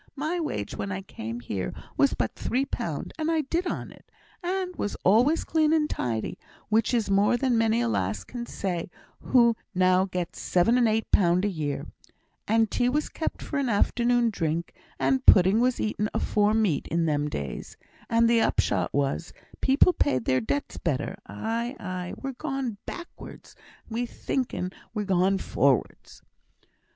My wage when I came here was but three pound, and I did on it, and was always clean and tidy, which is more than many a lass can say now who gets her seven and eight pound a year; and tea was kept for an afternoon drink, and pudding was eaten afore meat in them days, and the upshot was, people paid their debts better; aye, aye! we'n gone backwards, and we thinken we'n gone forrards."